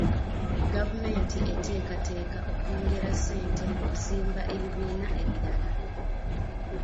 Gavumenti eteekateeka okwongera ssente mu kuzimba ebibiina ebirala.